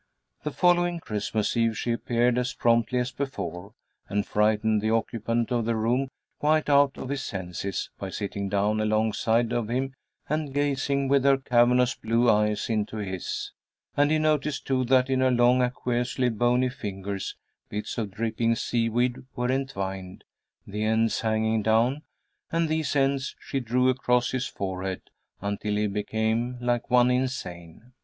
The following Christmas Eve she appeared as promptly as before, and frightened the occupant of the room quite out of his senses by sitting down alongside of him and gazing with her cavernous blue eyes into his; and he noticed, too, that in her long, aqueously bony fingers bits of dripping sea weed were entwined, the ends hanging down, and these ends she drew across his forehead until he became like one insane.